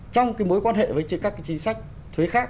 trong cái mối quan hệ với các cái chính sách thuế khác